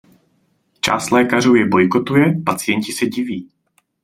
Část lékařů je bojkotuje, pacienti se diví.